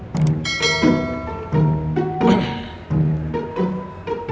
dari tadi berisik banget ya